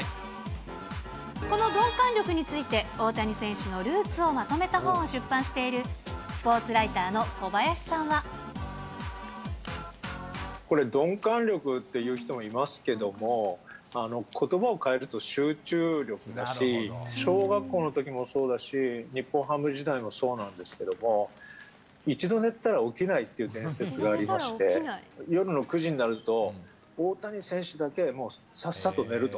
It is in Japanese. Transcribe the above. この鈍感力について、大谷選手のルーツをまとめた本を出版している、スポーツライターこれ、鈍感力っていう人もいますけども、ことばを変えると集中力だし、小学校のときもそうだし、日本ハム時代もそうなんですけども、一度寝たら起きないっていう伝説がありまして、夜の９時になると、大谷選手だけ、もうさっさと寝ると。